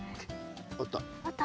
あった。